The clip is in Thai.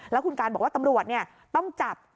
แล้วคุณการบอกว่าตำรวจต้องจับ